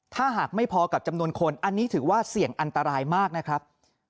ถ้าหากไม่พอกับจำนวนคนอันนี้ถือว่าเสี่ยงอันตรายมากนะครับ